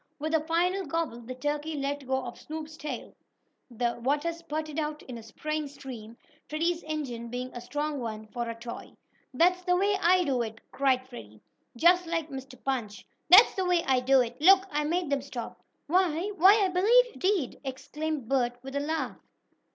With a final gobble, the turkey let go of Snoop's tail. The water spurted out in a spraying stream, Freddie's engine being a strong one, for a toy. "That's the way I do it!" cried Freddie, just like Mr. Punch. "That's the way I do it! Look, I made them stop!" "Why why, I believe you did!" exclaimed Bert, with a laugh.